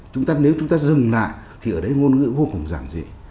chúng ta nếu chúng ta dừng lại thì ở đấy ngôn ngữ vô cùng giản dị